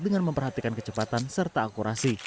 dengan memperhatikan kecepatan serta akurasi